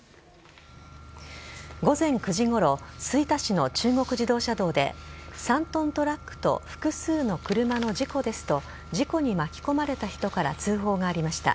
午前９時ごろ吹田市の中国自動車道で３ｔトラックと複数の車の事故ですと事故に巻き込まれた人から通報がありました。